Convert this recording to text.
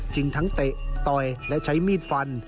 ทั้งเตะต่อยและใช้มีดฟัน